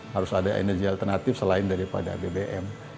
harus ada energi alternatif selain daripada bbm